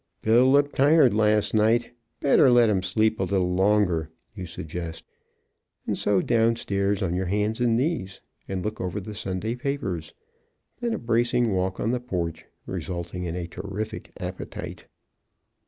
"Bill looked tired last night. Better let him sleep a little longer," you suggest. And so, downstairs on your hands and knees, and look over the Sunday papers. Then a bracing walk on the porch, resulting in a terrific appetite.